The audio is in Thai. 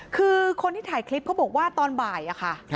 คือคนที่ถ่ายคลิปเขาบอกว่าตอนบ่ายอะค่ะ